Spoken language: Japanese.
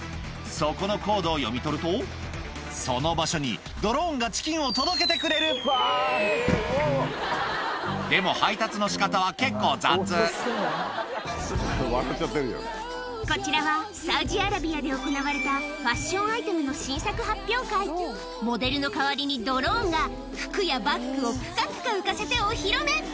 そこのコードを読み取るとその場所にドローンがチキンを届けてくれるでも配達の仕方は結構雑こちらはサウジアラビアで行われたモデルの代わりにドローンが服やバッグをぷかぷか浮かせてお披露目